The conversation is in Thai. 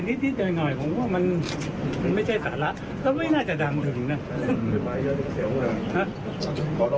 ผมว่ามันไม่ใช่สาระก็ไม่น่าจะดังถึงนะ